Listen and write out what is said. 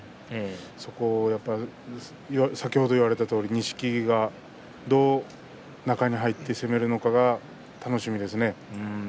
そこをやっぱり先ほど言われたように錦木はどうやって中に入って攻めるのかが楽しみですね。